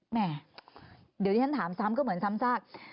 แม่เดี๋ยวที่ฉันถามซ้ำก็เหมือนซ้ำซาก